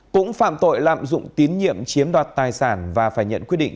cũng phạm tội lạm dụng tín nhiệm chiếm đoạt tài sản và phải nhận quyết định